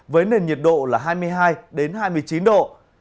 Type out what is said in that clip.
với nền nhiệt độ là hai mươi hai hai mươi chín độ